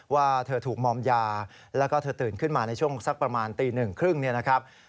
ว่าเธอถูกมอมยาแล้วก็เธอตื่นขึ้นมาในช่วงสักประมาณตีหนึ่งครึ่งเนี่ยนะครับ